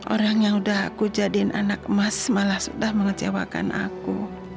orang yang udah aku jadiin anak emas malah sudah mengecewakan aku